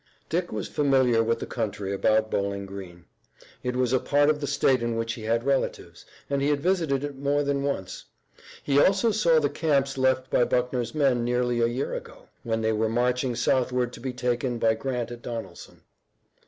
Dick was familiar with the country about Bowling Green. It was a part of the state in which he had relatives, and he had visited it more than once. He also saw the camps left by Buckner's men nearly a year ago, when they were marching southward to be taken by Grant at Donelson.